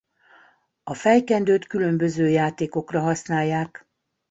A fejkendőt különböző játékokra használják.